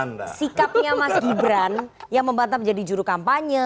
apa sikapnya mas gibran yang membantah menjadi juru kampanye